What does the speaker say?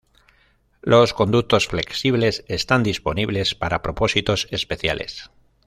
Los conductos flexibles están disponibles para propósitos especiales.